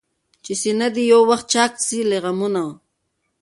چي سينه دي يو وخت چاك سي له غمونو؟